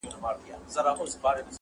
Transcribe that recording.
• څه ګل غونډۍ وه څه بهارونه -